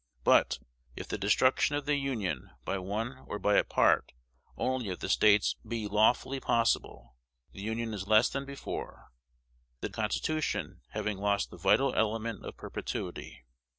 But, if the destruction of the Union by one or by a part only of the States be lawfully possible, the Union is less than before, the Constitution having lost the vital element of perpetuity.